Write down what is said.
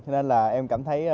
nên là em cảm thấy